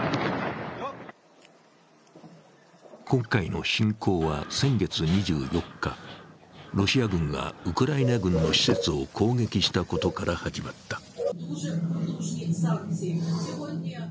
今回の侵攻は先月２４日、ロシア軍がウクライナ軍の施設を攻撃したことから始まった。